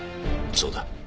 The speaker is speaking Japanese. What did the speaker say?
そうだ。